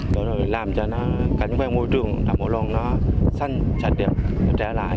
và làm cho các nguyên môi trường đầm âu loan săn sạch đẹp trẻ lại